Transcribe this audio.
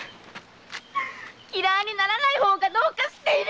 嫌いにならない方がどうかしているよ！